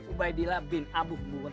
kupintaran para pecaci ini